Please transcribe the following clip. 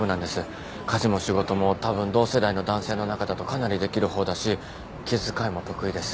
家事も仕事もたぶん同世代の男性の中だとかなりできる方だし気遣いも得意です。